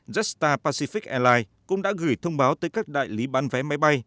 jetstar pacific airlines cũng đã gửi thông báo tới các đại lý bán vé máy bay